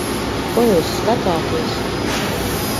Ko jūs skatāties?